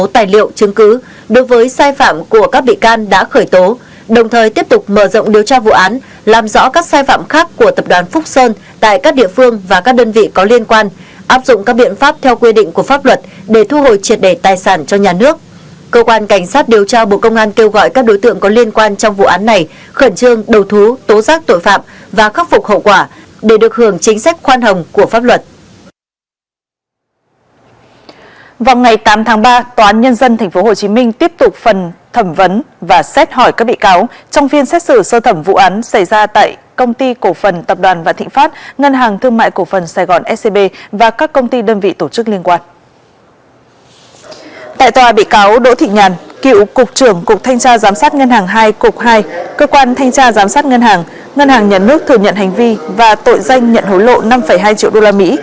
tại tòa bị cáo đỗ thị nhàn cựu cục trưởng cục thanh tra giám sát ngân hàng hai cục hai cơ quan thanh tra giám sát ngân hàng ngân hàng nhà nước thừa nhận hành vi và tội danh nhận hối lộ năm hai triệu usd